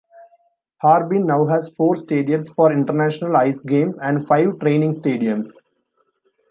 Harbin now has four stadiums for international ice games and five training stadiums.